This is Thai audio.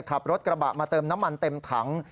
ขับรถกระบะมาเติมน้ำมันเต็มถัง